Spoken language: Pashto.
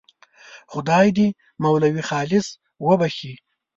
خدای دې مولوي خالص وبخښي.